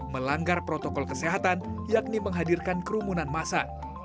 melanggar protokol kesehatan yakni menghadirkan kerumunan masa